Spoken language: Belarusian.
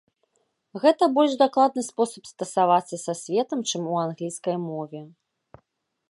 Гэта больш дакладны спосаб стасавацца са светам, чым у англійскай мове.